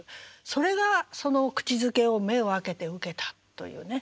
それがその「口づけを目を開けて受けた」というね。